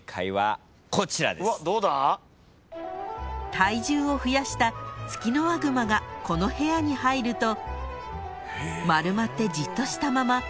［体重を増やしたツキノワグマがこの部屋に入ると丸まってじっとしたままあまり動いていません］